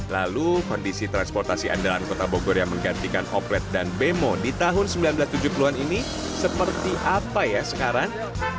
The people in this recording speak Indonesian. lalu kondisi transportasi andalan kota bogor yang menggantikan oplet dan bemo di tahun seribu sembilan ratus tujuh puluh an ini seperti apa ya sekarang